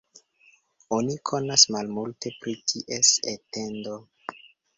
Oni konas malmulte pri ties etendo.